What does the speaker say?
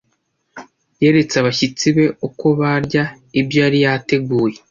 Yeretse abashyitsi be uko barya ibyo yari yateguye.